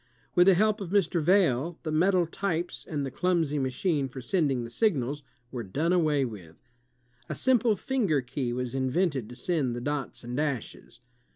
With the help of Mr. Vail, the metal tj^es and the clumsy machme for sending the signals were done away with. A simple finger key was invented to send the dots and dashes.